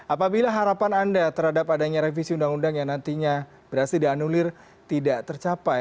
apabila harapan anda terhadap adanya revisi undang undang yang nantinya berhasil dianulir tidak tercapai